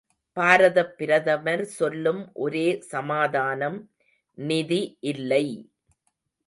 பாரதப் பிரதமர் சொல்லும் ஒரே சமாதானம் நிதி இல்லை!